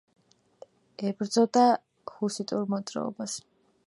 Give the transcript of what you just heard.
ებრძოდა ჰუსიტურ მოძრაობას.